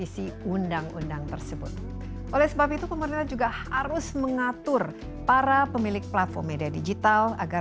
sampai jumpa di video selanjutnya